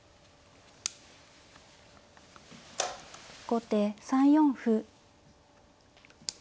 後手３四歩。